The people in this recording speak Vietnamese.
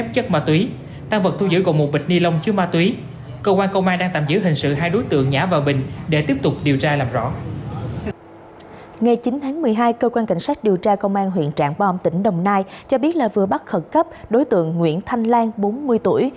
ngày chín tháng một mươi hai cơ quan cảnh sát điều tra công an huyện trảng bom tỉnh đồng nai cho biết là vừa bắt khẩn cấp đối tượng nguyễn thanh lan bốn mươi tuổi